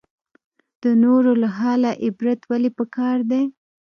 د نورو له حاله عبرت ولې پکار دی؟